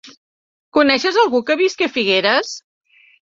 Coneixes algú que visqui a Figueres?